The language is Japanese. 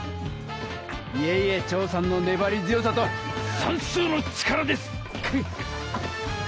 いえいえチョウさんのねばり強さとさんすうの力です！